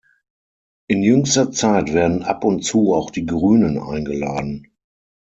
In jüngster Zeit werden ab und zu auch die Grünen eingeladen.